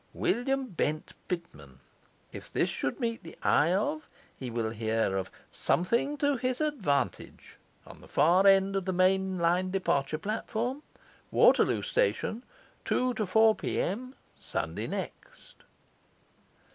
WILLIAM BENT PITMAN, if this should meet the eye of, he will hear of SOMETHING TO HIS ADVANTAGE on the far end of the main line departure platform, Waterloo Station, 2 to 4 P.M., Sunday next.